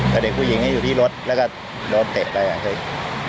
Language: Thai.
แต่เด็กผู้หญิงก็อยู่ที่รถแล้วก็โดนเตะไปค่ะ